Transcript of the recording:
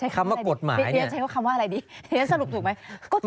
คำว่ากฎหมายพี่เจี๊ยใช้ว่าคำว่าอะไรดีเรียนสรุปถูกไหม